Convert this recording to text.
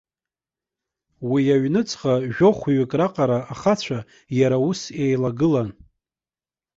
Уи аҩныҵҟа жәохәҩык раҟара ахацәа иара ус еилагылан.